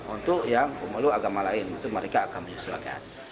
untuk yang pemuluh agama lain itu mereka akan menyusulkan